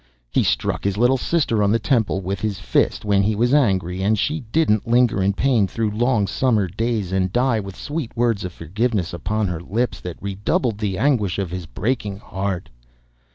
He struck his little sister on the temple with his fist when he was angry, and she didn't linger in pain through long summer days, and die with sweet words of forgiveness upon her lips that redoubled the anguish of his breaking heart.